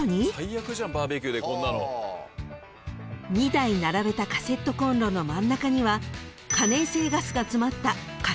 ［２台並べたカセットコンロの真ん中には可燃性ガスが詰まったカセットボンベが］